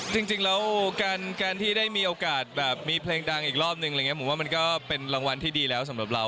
จริงแล้วการที่ได้มีโอกาสแบบมีเพลงดังอีกรอบนึงอะไรอย่างนี้ผมว่ามันก็เป็นรางวัลที่ดีแล้วสำหรับเรา